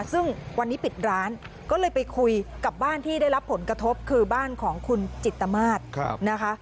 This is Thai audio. ซึ่งวันนี้ปิดร้านก็เลยไปคุยกับบ้านที่ได้รับผลกระทบคือบ้านของคุณจิตมาศนะคะ